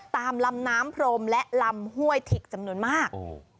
ตามลำน้ำพรมและลำห้วยถิกจำนวนมาก